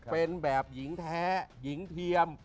เป็นแบบหญิงแท้หญิงเทียม